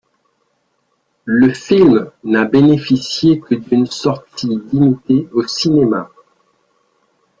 Le film n'a bénéficié que d'une sortie limitée au cinéma.